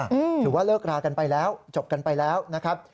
ถือว่าเลิกรากันไปแล้วจบกันไปแล้วนะครับ